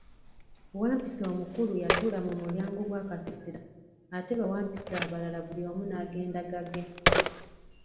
Wampisi omukulu yatuula mu mulyango gw'akasiisira ate bawampisi abalala buli omu n'agenda gage.